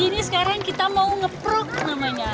ini sekarang kita mau nge prog namanya